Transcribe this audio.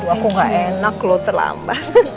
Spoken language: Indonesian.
aku gak enak loh terlambat